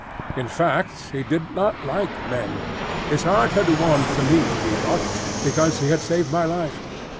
In fact, he did not like men: his heart had warmed to me, he thought, because he had saved my life.